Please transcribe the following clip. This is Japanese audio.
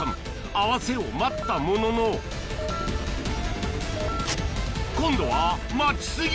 合わせを待ったものの今度は待ち過ぎ！